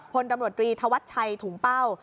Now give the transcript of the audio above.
พลตำรวจตรีธวัชชัยถุงเป้า